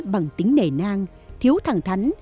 bằng tính nể nang thiếu thẳng thắn